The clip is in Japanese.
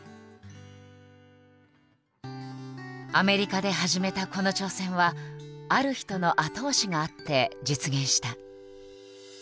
アメリカで始めたこの挑戦はある人の後押しがあって実現した。